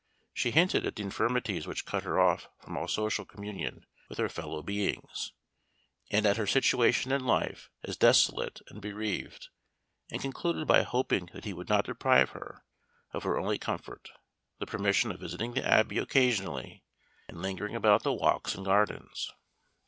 She hinted at the infirmities which cut her off from all social communion with her fellow beings, and at her situation in life as desolate and bereaved; and concluded by hoping that he would not deprive her of her only comfort, the permission of visiting the Abbey occasionally, and lingering about the walks and gardens.